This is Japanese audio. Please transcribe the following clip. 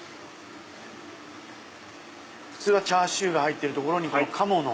普通はチャーシューが入ってるところに鴨の。